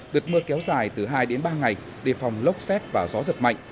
đợt mưa kéo dài từ hai đến ba ngày đề phòng lốc xét và gió giật mạnh